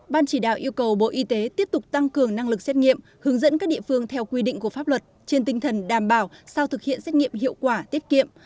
ban chỉ đạo yêu cầu bộ y tế tiếp tục tăng cường năng lực xét nghiệm hướng dẫn các địa phương theo quy định của pháp luật trên tinh thần đảm bảo sau thực hiện xét nghiệm hiệu quả tiết kiệm